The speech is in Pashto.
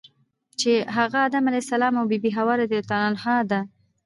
چی هغه ادم علیه السلام او بی بی حوا رضی الله عنها ده .